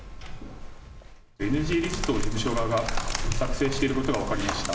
ＮＧリストを事務所側が作成していることが分かりました。